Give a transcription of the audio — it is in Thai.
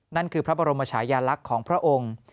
นั่นคือพระบรมชายาลักษณ์ของพระองค์